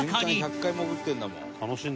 「年間１００回潜ってるんだもん」